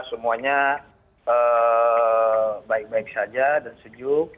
semuanya baik baik saja dan sejuk